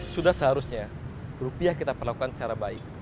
sudah seharusnya rupiah kita perlakukan secara baik